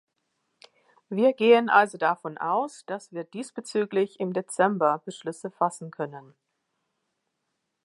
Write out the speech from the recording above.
Wir gehen also davon aus, dass wir diesbezüglich im Dezember Beschlüsse fassen können.